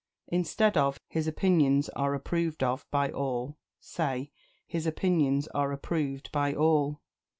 Instead of "His opinions are approved of by all," say "His opinions are approved by all."